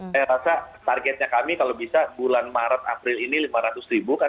saya rasa targetnya kami kalau bisa bulan maret april ini lima ratus ribu kan